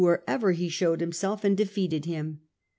wherever he showed himself and defeated him.